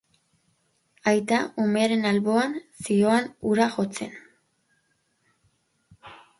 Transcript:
Aita umearen alboan zihoan hura jotzen.